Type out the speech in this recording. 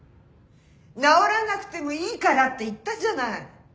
「治らなくてもいいから」って言ったじゃない！